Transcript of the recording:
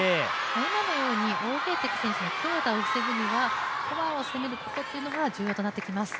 今のように王ゲイ迪選手の強打を防ぐにはフォアを攻めることが重要となってきます。